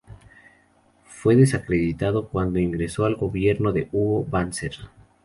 Fue desacreditado cuando ingresó al gobierno de Hugo Banzer.